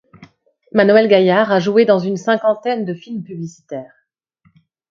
Manoëlle Gaillard a joué dans une cinquantaine de films publicitaires.